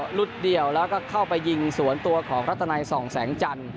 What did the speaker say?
หลุดเดี่ยวแล้วก็เข้าไปยิงสวนตัวของรัตนัยส่องแสงจันทร์